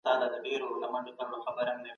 با مانا مجلسونه انسان ته ارزښت ورکوي.